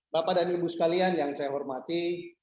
bapak dan ibu sekalian yang saya hormati